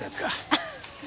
アハハハ。